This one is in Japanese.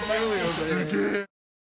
すげえ！